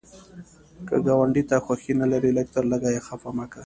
که ګاونډي ته خوښي نه لرې، لږ تر لږه یې خفه مه کوه